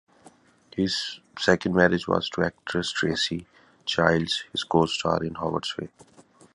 His second marriage was to actress Tracey Childs, his co-star in Howards' Way.